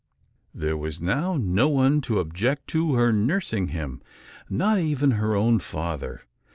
There was now no one to object to her nursing him; not even her own father.